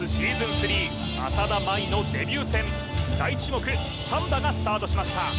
３浅田舞のデビュー戦第１種目サンバがスタートしました